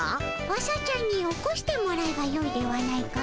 朝ちゃんに起こしてもらえばよいではないかの。